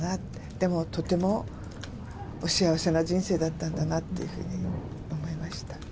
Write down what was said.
でもとてもお幸せな人生だったんだなというふうに思いました。